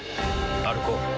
歩こう。